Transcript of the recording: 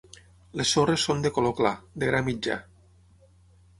Les sorres són de color clar, de gra mitjà.